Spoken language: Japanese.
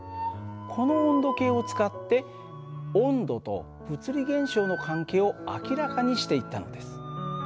この温度計を使って温度と物理現象の関係を明らかにしていったのです。